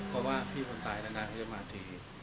เพราะว่าพี่คนตายนั้นเขาจะมาที